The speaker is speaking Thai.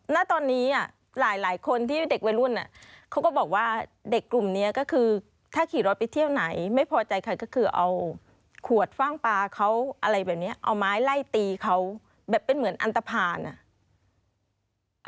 ณตอนนี้หลายคนที่เด็กวัยรุ่นเขาก็บอกว่าเด็กกลุ่มนี้ก็คือถ้าขี่รถไปเที่ยวไหนไม่พอใจใครก็คือเอาขวดฟ่างปลาเขาอะไรแบบนี้เอาไม้ไล่ตีเขาแบบเป็นเหมือนอันตภัณฑ์อ่ะ